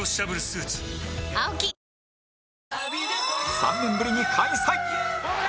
３年ぶりに開催！